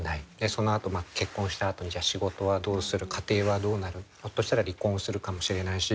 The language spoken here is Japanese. そのあと結婚したあとに仕事はどうする家庭はどうなるひょっとしたら離婚するかもしれないし。